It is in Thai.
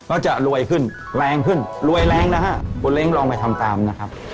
จะรวยขึ้นแรงขึ้นรวยแรงนะฮะคุณเล้งลองไปทำตามนะครับ